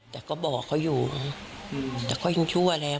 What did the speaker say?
แต่ก็บอกเขาอยู่แต่เขายังชั่วแล้ว